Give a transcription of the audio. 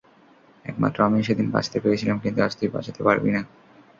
একমাত্র আমিই সেদিন বাঁচতে পেরেছিলাম, কিন্তু আজ তুই বাঁচতে পারবি না।